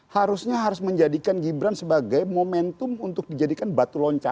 harusnya harus menjadikan gibran sebagai momentum untuk dijadikan batu loncana